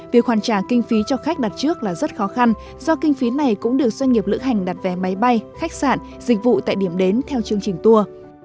việc hoàn trả kinh phí cho khách đặt trước là rất khó khăn do kinh phí này cũng được doanh nghiệp lữ hành đặt vé máy bay khách sạn dịch vụ tại điểm đến theo chương trình tour